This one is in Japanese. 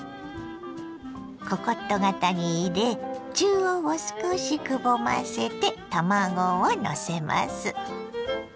ココット型に入れ中央を少しくぼませて卵をのせます。